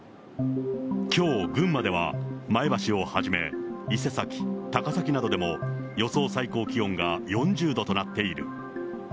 きょう、群馬では、前橋をはじめ、伊勢崎、高崎などでも予想最高気温が４０度となっている。